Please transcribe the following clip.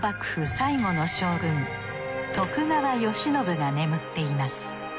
最後の将軍徳川慶喜が眠っています。